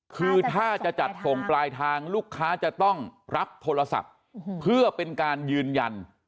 คือถ้าจะจัดส่งปลายทางลูกค้าจะต้องรับโทรศัพท์เพื่อเป็นการยืนยัน